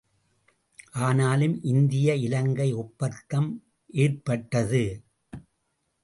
ஆனாலும் இந்திய இலங்கை ஒப்பந்தம் ஏற்பட்டது.